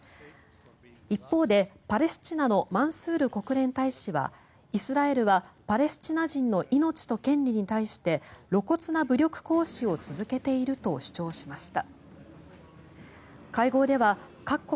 一方でパレスチナのマンスール国連大使はイスラエルはパレスチナ人の命と権利に対して露骨な武力行使を続けていると主張しました。